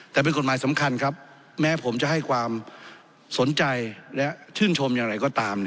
แต่เป็นกฎหมายสำคัญครับแม้ผมจะให้ความสนใจและชื่นชมอย่างไรก็ตาม